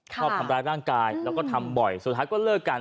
ชอบทำร้ายร่างกายแล้วก็ทำบ่อยสุดท้ายก็เลิกกัน